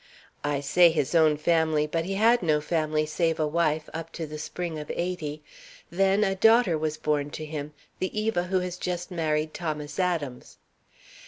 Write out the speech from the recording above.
I say his own family, but he had no family, save a wife, up to the spring of '80. Then a daughter was born to him, the Eva who has just married Thomas Adams.